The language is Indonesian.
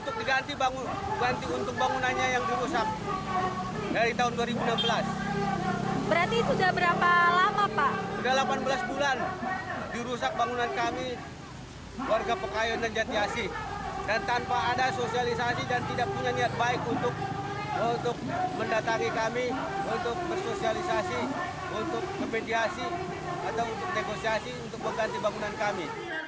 pemerintah kota bekasi punya niat baik untuk mendatangi kami untuk bersosialisasi untuk kepediasi atau untuk negosiasi untuk mengganti bangunan kami